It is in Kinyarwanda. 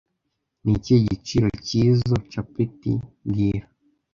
Ni ikihe giciro cyizoi capeti mbwira